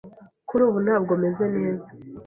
Kuri ubu, ntabwo meze neza